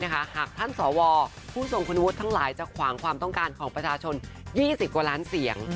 หากท่านสวผู้ทรงคุณวุฒิทั้งหลายจะขวางความต้องการของประชาชน๒๐กว่าล้านเสียง